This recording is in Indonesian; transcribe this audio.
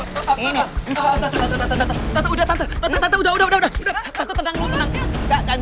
tante tante tante tante udah tante tante udah udah udah tante tenang lu tenang